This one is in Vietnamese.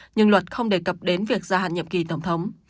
nhưng luật không đề cập đến việc gia hạn nhiệm kỳ tổng thống